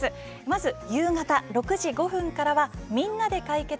まず、夕方６時５分からは「みんなで解決！